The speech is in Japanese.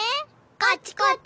こっちこっち。